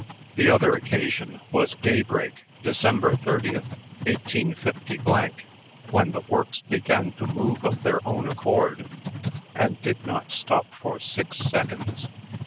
The other occasion was daybreak, December 30, 185 , when the works began to move of their own accord, and did not stop for six seconds.